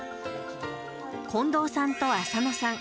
近藤さんと浅野さん